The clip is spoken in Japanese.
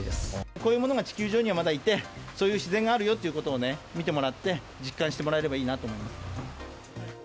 こういうものが地球上にはまだいて、そういう自然があるよということをね、見てもらって、実感してもらえればいいなと思います。